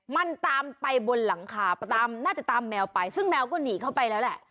มันตามไปบนหลังคาตามน่าจะตามแมวไปซึ่งแมวก็หนีเข้าไปแล้วแหละ